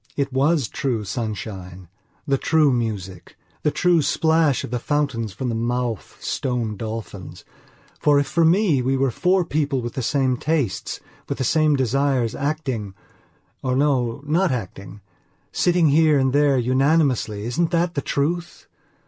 It was true sunshine; the true music; the true splash of the fountains from the mouth of stone dolphins. For, if for me we were four people with the same tastes, with the same desires, actingor, no, not actingsitting here and there unanimously, isn't that the truth?